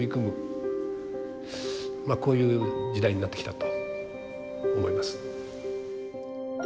こういう時代になってきたと思います。